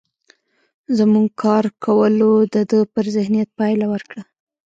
زموږ کار کولو د ده پر ذهنيت پايله ورکړه.